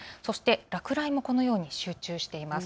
落雷もこのように集中しています。